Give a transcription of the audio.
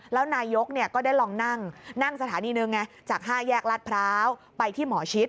แล้วนายกก็ได้ลองนั่งนั่งสถานีหนึ่งจาก๕แยกรัฐพร้าวไปที่หมอชิด